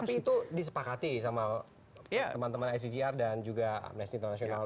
tapi itu disepakati sama teman teman icgr dan juga amnesty international